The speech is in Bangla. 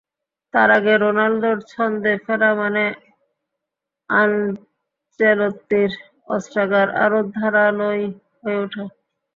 তার আগে রোনালদোর ছন্দে ফেরা মানে আনচেলত্তির অস্ত্রাগার আরও ধারালোই হয়ে ওঠা।